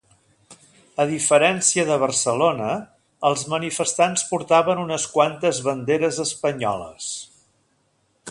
A diferència de Barcelona, els manifestants portaven unes quantes banderes espanyoles.